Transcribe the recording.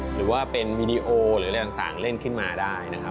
หรือว่าเป็นวีดีโอหรืออะไรต่างเล่นขึ้นมาได้นะครับ